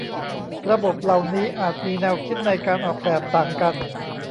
ระบบเหล่านี้อาจมีแนวคิดในการออกแบบต่างกัน